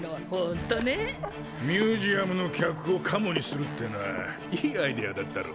ミュージアムの客をカモにするってのはいいアイデアだったろ？